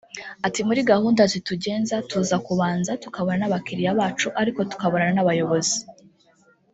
Ati “muri gahunda zitugenza tuza tukabanza tukabonana n’abakiriya bacu ariko tukabonana n’abayobozi